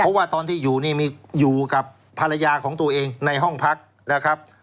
เพราะว่าตอนที่อยู่นี่มีอยู่กับภรรยาของตัวเองในห้องพักนะครับ